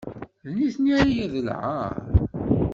D nitni ay d lɛaṛ.